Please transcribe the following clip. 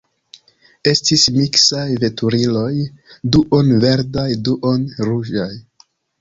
Estis miksaj veturiloj duon-verdaj, duon-ruĝaj.